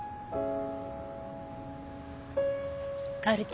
薫ちゃん